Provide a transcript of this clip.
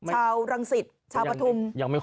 เจ้ารังศิษย์ชาวบทุม